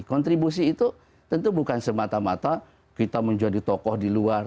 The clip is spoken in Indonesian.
kontribusi itu tentu bukan semata mata kita menjadi tokoh di luar